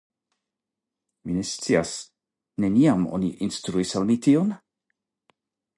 Mi ne scias; neniam oni instruis al mi tion?